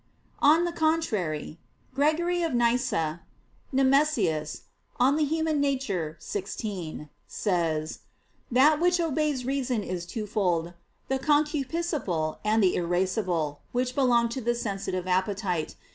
On the contrary, Gregory of Nyssa [*Nemesius, De Nat. Hom. xvi.] says: "That which obeys reason is twofold, the concupiscible and the irascible," which belong to the sensitive appetite.